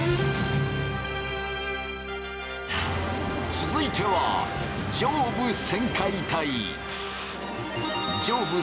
続いては上部旋回体！